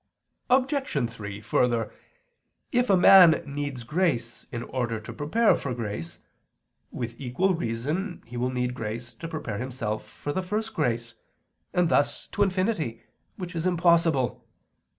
Obj. 3: Further, if a man needs grace in order to prepare for grace, with equal reason will he need grace to prepare himself for the first grace; and thus to infinity, which is impossible.